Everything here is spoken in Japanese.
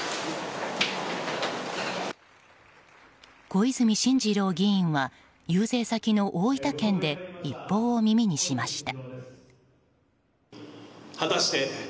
小泉進次郎議員は遊説先の大分県で一報を耳にしました。